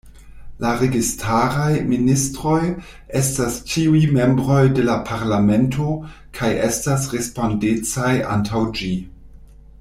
La registaraj ministroj estas ĉiuj membroj de la Parlamento, kaj estas respondecaj antaŭ ĝi.